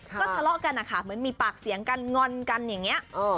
ก็ทะเลาะกันนะคะเหมือนมีปากเสียงกันงอนกันอย่างนี้